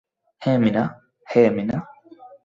হ্যাঁ, মীনা।